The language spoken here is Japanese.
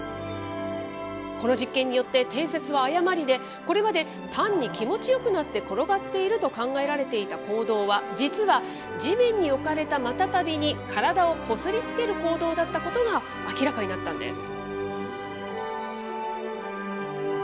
この実験によって、定説は誤りで、これまで単に気持ちよくなって転がっていると考えられていた行動は、実は地面に置かれたマタタビに体をこすりつける行動だったことが明らかになったんです。